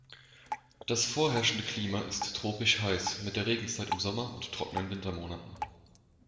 Das vorherrschende Klima ist tropisch-heiß mit der Regenzeit im Sommer und trockenen Wintermonaten.